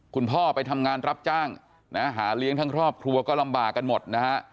คุณพ่อไปทำงานรับจ้างนะฮะหาเลี้ยงทั้งครอบครัวก็ลำบากกันหมดนะฮะ